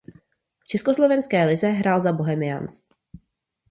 V československé lize hrál za Bohemians.